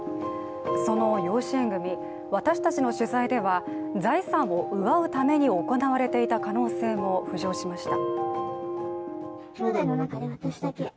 その養子縁組、私たちの取材では財産を奪うために行われていた可能性も浮上しました。